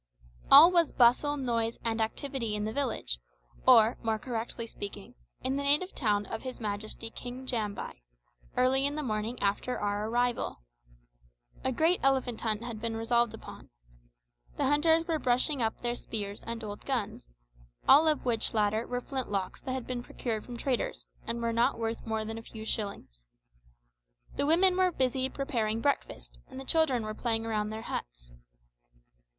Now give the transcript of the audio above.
All was bustle, noise, and activity in the village, or, more correctly speaking, in the native town of his Majesty King Jambai, early in the morning after our arrival. A great elephant hunt had been resolved on. The hunters were brushing up their spears and old guns all of which latter were flint locks that had been procured from traders, and were not worth more than a few shillings. The women were busy preparing breakfast, and the children were playing around their huts.